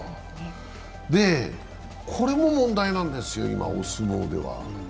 これも問題なんですよ、今、お相撲では。